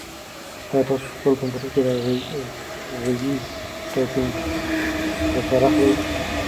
آیا تاسو په خپل کمپیوټر کې د غږیز ټایپنګ څخه کار اخلئ؟